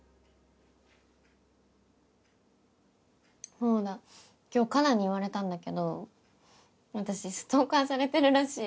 そうだ今日佳菜に言われたんだけど私ストーカーされてるらしい。